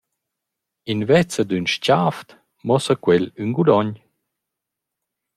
Invezza d’ün s-chavd muossa quel ün guadogn.